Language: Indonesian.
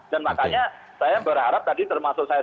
dan makanya saya berharap tadi termasuk saya sama